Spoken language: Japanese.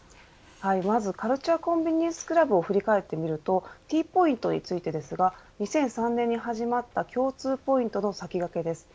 まず、カルチュア・コンビニエンス・クラブを振り返ってみるとＴポイントについてですが２００３年に始まった共通ポイントの先駆けです。